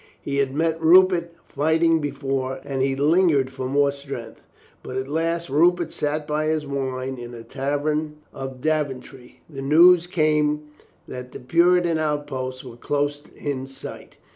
He had met Rupert fight ing before, and he lingered for more strength. But at last, as Rupert sat by his wine in a tavern of 322 COLONEL GREATHEART Daventry, the news came that the Puritan outposts were close in sight.